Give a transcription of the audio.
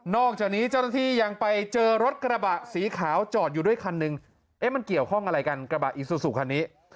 อกจากนี้เจ้าหน้าที่ยังไปเจอรถกระบะสีขาวจอดอยู่ด้วยคันหนึ่งเอ๊ะมันเกี่ยวข้องอะไรกันกระบะอีซูซูคันนี้